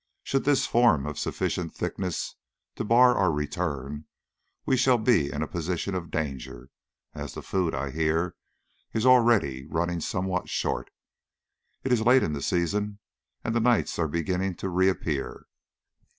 Should this form of sufficient thickness to bar our return, we shall be in a position of danger, as the food, I hear, is already running somewhat short. It is late in the season, and the nights are beginning to reappear.